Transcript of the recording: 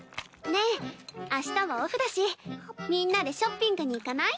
ねえ明日はオフだしみんなでショッピングに行かない？